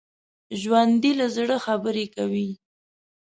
ژوندي له زړه خبرې کوي